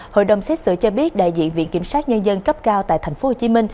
hội đồng xét xử cho biết đại diện viện kiểm sát nhân dân cấp cao tại tp hcm